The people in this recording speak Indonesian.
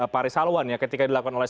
pak risalwan ya ketika dilakukan oleh